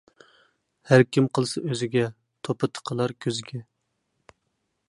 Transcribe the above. ھەركىم قىلسا ئۆزىگە، توپا تىقىلار كۆزىگە.